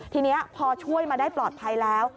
ทีนี้พอช่วยมาได้ปลอดภัยแล้ว